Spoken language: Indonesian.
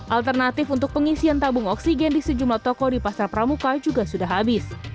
alternatif untuk pengisian tabung oksigen di sejumlah toko di pasar pramuka juga sudah habis